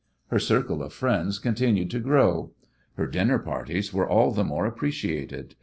Her circle of friends continued to grow. Her dinner parties were all the more appreciated.